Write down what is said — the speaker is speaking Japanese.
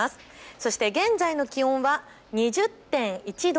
そして現在の気温は２０．１度。